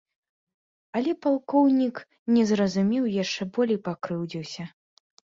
Але палкоўнік не зразумеў і яшчэ болей пакрыўдзіўся.